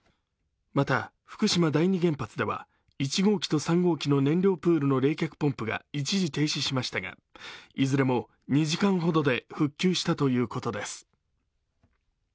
また福島第二原発では１号機と３号機の燃料プールの冷却ポンプが一時停止しましたがいずれも２時間ほどで復旧したということです。